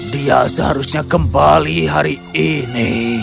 dia seharusnya kembali hari ini